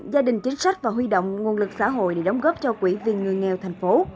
gia đình chính sách và huy động nguồn lực xã hội để đóng góp cho quỹ viên người nghèo thành phố